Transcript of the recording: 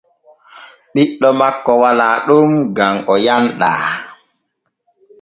Ɓiɗɗo makko walaa ɗon gam o yanɗaa.